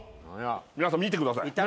皆さん見てください。